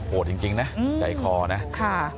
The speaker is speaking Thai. โหดจริงนะใจคลอนะ